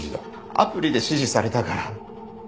アプリで指示されたから。